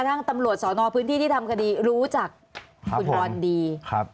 ตามจนถึงถึงสุดเลยครับ